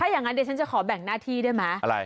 อย่างนั้นเดี๋ยวฉันจะขอแบ่งหน้าที่ได้ไหม